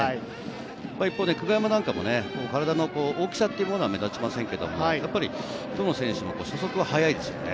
一方、久我山も体の大きさは目立ちませんけど、どの選手も初速は速いですよね。